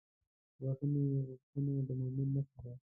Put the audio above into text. د بښنې غوښتنه د مؤمن نښه ده.